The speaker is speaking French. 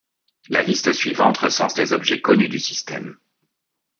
La liste suivante recense les objets connus du système.